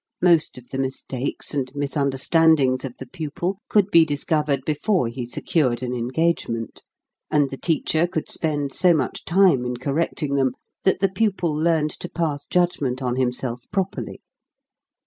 Most of the mis takes and misunderstandings of the pupil could be discovered before he secured an en gagement, and the teacher could spend so much time in correcting them that the pupil learned to pass judgment on himself properly.